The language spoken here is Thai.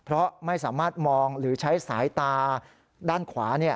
เพราะไม่สามารถมองหรือใช้สายตาด้านขวา